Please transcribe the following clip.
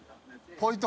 ポイント